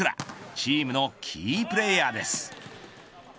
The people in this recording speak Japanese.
チームのキープレイヤーです。